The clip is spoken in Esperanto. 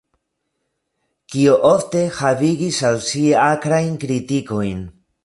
Kio ofte havigis al si akrajn kritikojn.